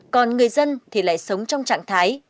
còn người dân thì lại sống trong trạng thái